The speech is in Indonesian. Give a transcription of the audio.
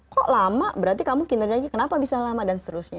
kok lama berarti kamu kinerjanya kenapa bisa lama dan seterusnya